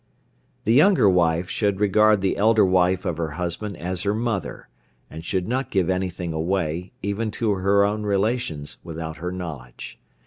The younger wife should regard the elder wife of her husband as her mother, and should not give anything away, even to her own relations, without her knowledge.